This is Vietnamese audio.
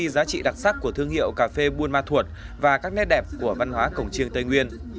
các đồng chí đặc sắc của thương hiệu cà phê buôn ma thuột và các nét đẹp của văn hóa cổng chiêng tây nguyên